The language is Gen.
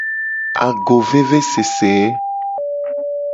Agovevesese.